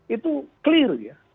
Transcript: itu clear ya